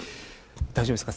大丈夫ですか？